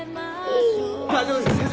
大丈夫ですか！？